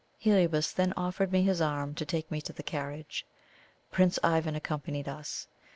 Heliobas then offered me his arm to take me to the carriage. Prince Ivan accompanied us.